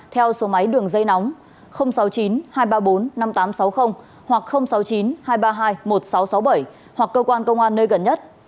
theo số máy đường dây nóng sáu mươi chín hai trăm ba mươi bốn năm nghìn tám trăm sáu mươi hoặc sáu mươi chín hai trăm ba mươi hai một nghìn sáu trăm sáu mươi bảy hoặc cơ quan công an nơi gần nhất